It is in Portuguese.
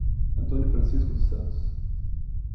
Antônio Francisco dos Santos